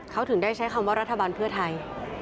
เขาถึงได้ใช้คำว่ารัฐบาลเพื่อไทย